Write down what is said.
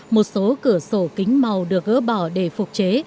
một số cửa sổ kính màu được gỡ bỏ để phục chế